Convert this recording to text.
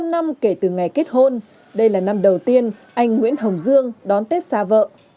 một mươi năm năm kể từ ngày kết hôn đây là năm đầu tiên anh nguyễn hồng dương đón tết xa vợ